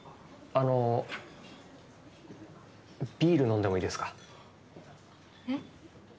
あのビール飲んでもいいですか？